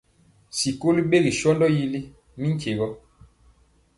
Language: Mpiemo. Sikoli ɓegi sɔndaa yili mi nkye gɔ.